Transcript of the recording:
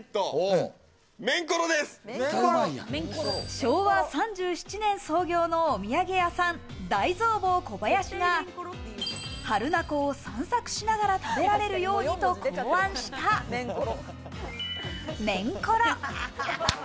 昭和３７年創業のお土産屋さん、大蔵坊こばやしが榛名湖を散策しながら食べられるようにと考案したメンコロ。